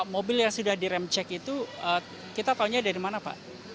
mobil yang sudah di rem cek itu kita taunya dari mana pak